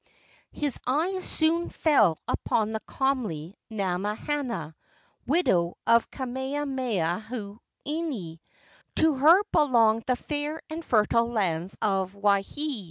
His eyes soon fell upon the comely Namahana, widow of Kamehamehanui. To her belonged the fair and fertile lands of Waihee.